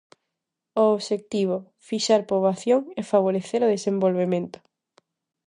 O obxectivo: fixar poboación e favorecer o desenvolvemento.